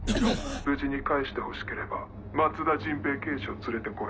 無事に帰してほしければ松田陣平刑事を連れてこい。